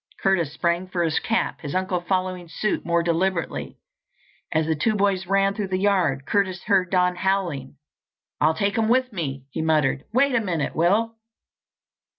Curtis sprang for his cap, his uncle following suit more deliberately. As the two boys ran through the yard, Curtis heard Don howling. "I'll take him with me!" he muttered. "Wait a minute, Will."